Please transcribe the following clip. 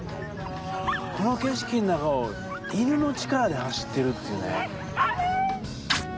この景色の中を犬の力で走ってるっていうね。